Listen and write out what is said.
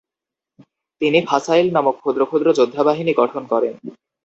তিনি 'ফাসাইল নামক ক্ষুদ্র ক্ষুদ্র যোদ্ধাবাহিনী গঠন করেন।